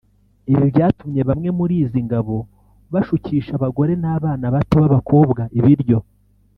Ibi byatumye bamwe muri izi ngabo bashukisha abagore n’abana bato b’abakobwa ibiryo